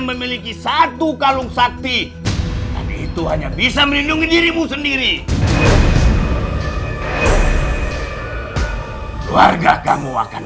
memiliki satu kalung sakti dan itu hanya bisa melindungi dirimu sendiri keluarga kamu akan